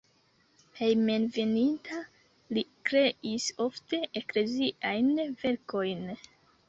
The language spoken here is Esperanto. Hejmenveninta li kreis ofte ekleziajn verkojn.